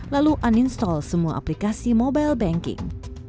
lalu uninstall semua aplikasi mobile banking